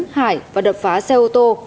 điền đã đánh sơn và đập phá xe ô tô